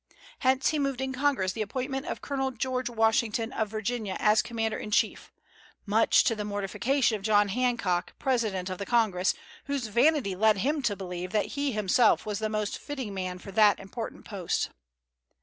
Hence he moved in Congress the appointment of Colonel George Washington, of Virginia, as commander in chief, much to the mortification of John Hancock, president of the Congress, whose vanity led him to believe that he himself was the most fitting man for that important post.